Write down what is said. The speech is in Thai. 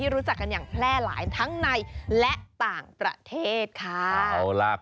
รู้จักกันอย่างแพร่หลายทั้งในและต่างประเทศค่ะ